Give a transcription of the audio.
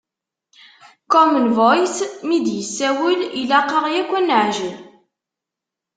Common Voice mi d-yessawel, ilaq-aɣ yakk ad neɛǧel.